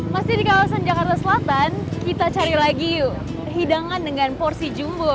masih di kawasan jakarta selatan kita cari lagi yuk hidangan dengan porsi jumbo